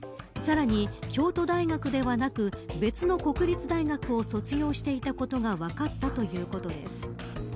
さらに京都大学ではなく別の国立大学を卒業していたことが分かったということです。